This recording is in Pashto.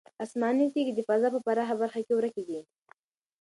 آسماني تیږې د فضا په پراخه برخه کې ورکې دي.